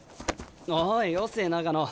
おいよせ長野。